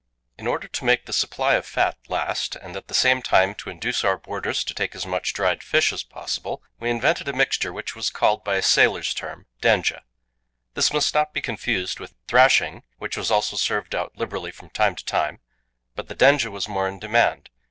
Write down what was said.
In order to make the supply of fat last, and at the same time to induce our boarders to take as much dried fish as possible, we invented a mixture which was called by a sailor's term dænge. This must not be confused with "thrashing," which was also served out liberally from time to time, but the dænge was more in demand.